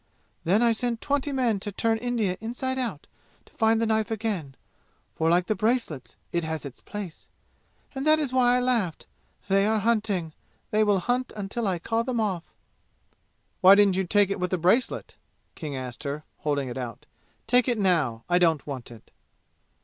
Then I sent twenty men to turn India inside out and find the knife again, for like the bracelets it has its place. And that is why I laughed. They are hunting. They will hunt until I call them off!" "Why didn't you take it with the bracelet?" King asked her, holding it out. "Take it now. I don't want it."